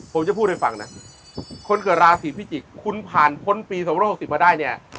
ผมจะพูดให้ฟังนะคนเกิดราศีพิจิกคุณผ่านพ้นปีสองพันห้าร้อยหกสิบมาได้เนี่ย